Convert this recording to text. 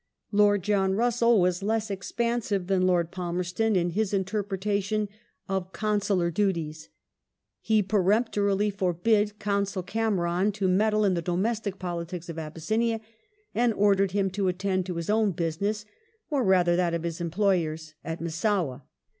Lord John Russell was less expansive than Lord Palmerston in his interpretation of Con sular duties. He peremptorily forbade Consul Cameron to meddle in the domestic politics of Abyssinia, and ordered him to attend to his own business, or rather that of his employers, at Massowah.